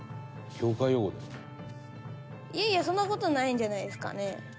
いやいやそんな事ないんじゃないですかね。